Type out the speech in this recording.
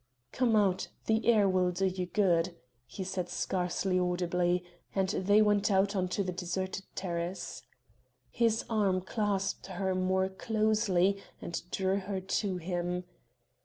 "Come out, the air will do you good," he said scarcely audibly, and they went out on to the deserted terrace. His arm clasped her more closely and drew her to him.